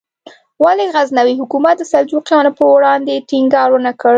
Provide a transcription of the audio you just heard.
ولې غزنوي حکومت د سلجوقیانو پر وړاندې ټینګار ونکړ؟